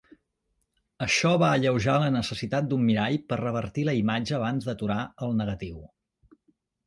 Això va alleujar la necessitat d'un mirall per revertir la imatge abans d'aturar el negatiu.